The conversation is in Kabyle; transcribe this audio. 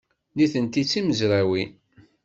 Nitenti d timezrawin.